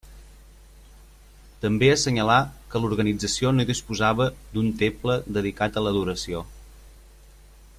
També assenyalà que l'organització no disposava d'un temple dedicat a l'adoració.